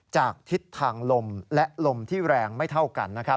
ทิศทางลมและลมที่แรงไม่เท่ากัน